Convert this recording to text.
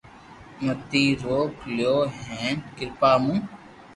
متي روڪ اينو ايڪ ڪريا مون